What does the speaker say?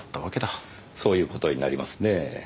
そういうことになりますねえ。